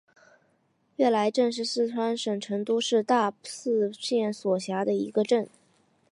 悦来镇是四川省成都市大邑县所辖的一个镇。